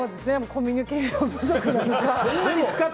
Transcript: コミュニケーション不足なのかな。